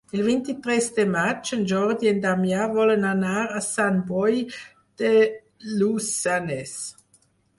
El vint-i-tres de maig en Jordi i en Damià volen anar a Sant Boi de Lluçanès.